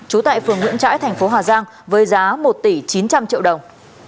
trú tại phường nguyễn trãi thành phố hà giang với giá một tỷ chín trăm linh triệu đồng